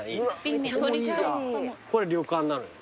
これ旅館なのよ。